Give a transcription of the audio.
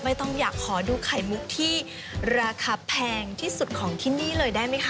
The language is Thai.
ไม่ต้องอยากขอดูไข่มุกที่ราคาแพงที่สุดของที่นี่เลยได้ไหมคะ